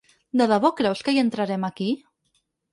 De debò creus que hi entrarem aquí?